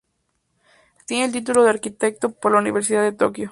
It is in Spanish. Tiene el título de arquitecto por la Universidad de Tokyo.